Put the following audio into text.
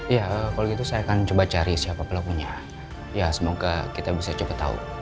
iya kalau gitu saya akan coba cari siapa pelakunya ya semoga kita bisa coba tahu